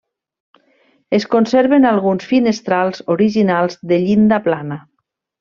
Es conserven alguns finestrals originals de llinda plana.